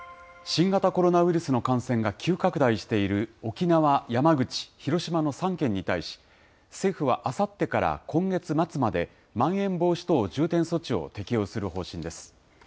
新型コロナウイルスの感染が急拡大している沖縄、山口、広島の３県に対し、政府はあさってから今月末まで、まん延防止等重点措置を適用する方針です。